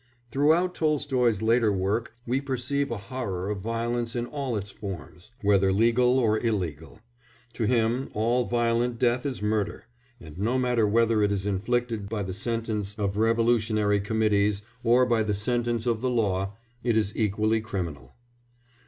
Throughout Tolstoy's later work we perceive a horror of violence in all its forms, whether legal or illegal: to him all violent death is murder, and, no matter whether it is inflicted by the sentence of revolutionary committees or by the sentence of the law, it is equally criminal.